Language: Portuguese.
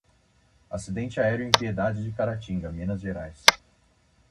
Acidente aéreo em Piedade de Caratinga, Minas Gerais